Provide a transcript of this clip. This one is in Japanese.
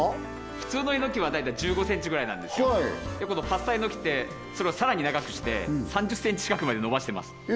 普通のえのきは大体１５ｃｍぐらいなんですけどこのパスタえのきってそれをさらに長くして３０Ｃｃｍ近くまで伸ばしてます